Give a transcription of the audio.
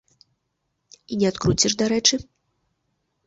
І не адкруціш, дарэчы.